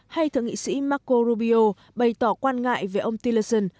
hay thượng nghị sĩ marco rubio bày tỏ quan ngại về ông tillerson